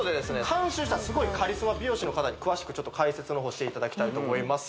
監修したすごいカリスマ美容師の方に詳しく解説の方していただきたいと思います